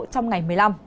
trong ngày một mươi năm